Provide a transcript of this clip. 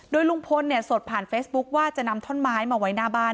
ลุงพลสดผ่านเฟซบุ๊คว่าจะนำท่อนไม้มาไว้หน้าบ้าน